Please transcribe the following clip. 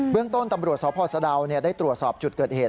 เรื่องต้นตำรวจสพสะดาวได้ตรวจสอบจุดเกิดเหตุ